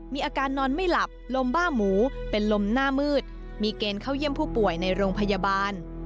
มีอาการนอนไม่หลับลมบ้าหมูเป็นลมหน้ามืดมีเกณฑ์เข้าเยี่ยมผู้ป่วยในโรงพยาบาล